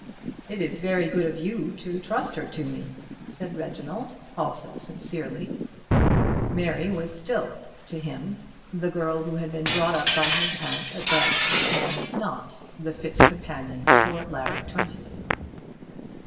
"It is very good of you to trust her to me," said Reginald, also sincerely. Mary was still to him the girl who had been brought up by his aunt at Bragton, and not the fit companion for Larry Twentyman.